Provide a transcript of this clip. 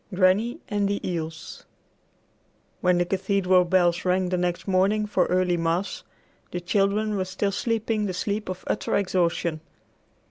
VIII GRANNY AND THE EELS When the cathedral bells rang the next morning for early mass, the children were still sleeping the sleep of utter exhaustion.